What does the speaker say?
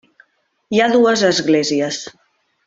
Hi ha dues esglésies.